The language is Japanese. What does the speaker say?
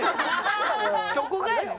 どこがやねん！